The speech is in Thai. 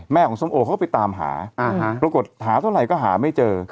ของส้มโอเขาก็ไปตามหาปรากฏหาเท่าไหร่ก็หาไม่เจอ